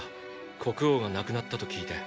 国王が亡くなったと聞いて。